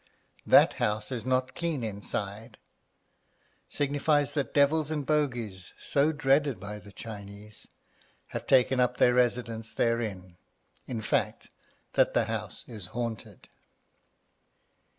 That house is not clean inside, signifies that devils and bogies, so dreaded by the Chinese, have taken up their residence therein; in fact, that the house is haunted.